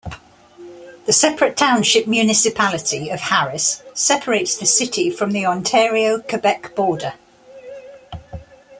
The separate township municipality of Harris separates the city from the Ontario-Quebec border.